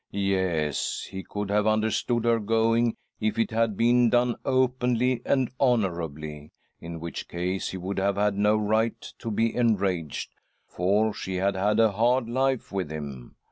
Yes ! he could have under stood her going, if it had been done openly and honourably, in which case he would have had no right to be enraged, for she had had a hard life with him.